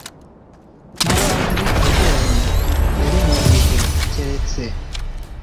N abandi baburanyi yarenganyije keretse